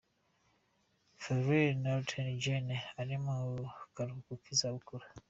Flynn ni Lt gen ari mu karuhuko k'iza bukuru.